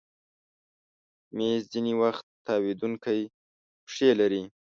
مېز ځینې وخت تاوېدونکی پښې لري.